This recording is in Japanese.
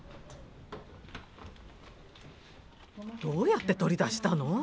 どうやって取り出したの？